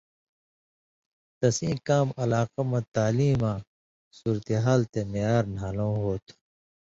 تسیں کام علاقہ مہ تعلیماں، صورتحال تے معیار نھالؤں ہوتُھو۔